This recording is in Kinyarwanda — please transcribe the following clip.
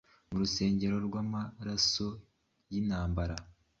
Mu rusengero rwamaraso yintambara